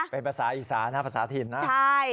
เป็นภาษาอีสานะภาษาถิ่นนะใช่